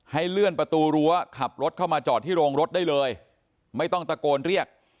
เลื่อนประตูรั้วขับรถเข้ามาจอดที่โรงรถได้เลยไม่ต้องตะโกนเรียก